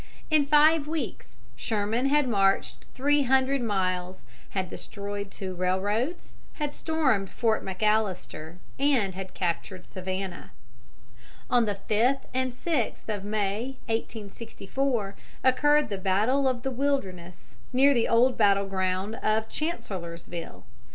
In five weeks Sherman had marched three hundred miles, had destroyed two railroads, had stormed Fort McAllister, and had captured Savannah. On the 5th and 6th of May, 1864, occurred the battle of the Wilderness, near the old battleground of Chancellorsville.